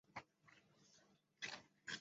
帕武苏是巴西皮奥伊州的一个市镇。